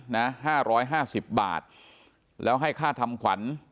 นะ๕๕๐บาทแล้วให้ค่าทำขวัญ